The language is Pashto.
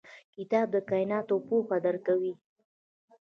کتاب د کایناتو پوهه درکوي.